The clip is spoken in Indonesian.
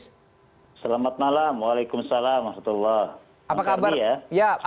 selamat malam waalaikumsalam masya allah